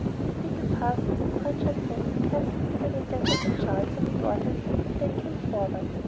The figure paused, with a fragile hand scarcely bigger than that of a child's on the doorhandle, and then came forward.